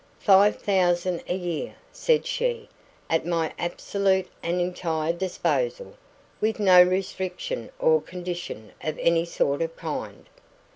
"Five thousand a year," said she, "at my absolute and entire disposal, with no restriction or condition of any sort or kind."